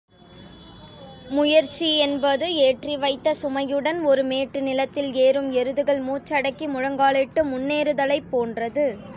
முயற்சி என்பது ஏற்றி வைத்த சுமையுடன் ஒரு மேட்டு நிலத்தில் ஏறும் எருதுகள் மூச்சடக்கி முழங்காலிட்டு முன்னேறுதலைப் போன்றது.